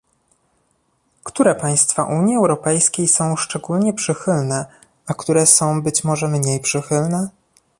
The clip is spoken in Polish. Które państwa Unii Europejskiej są szczególnie przychylne, a które są być może mniej przychylne?